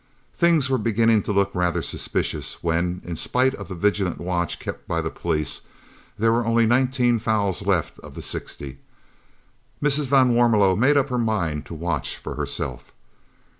Things were beginning to look rather suspicious when, in spite of the vigilant watch kept by the police, there were only nineteen fowls left of the sixty. Mrs. van Warmelo made up her mind to watch for herself.